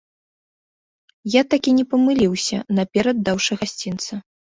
Я такі не памыліўся, наперад даўшы гасцінца.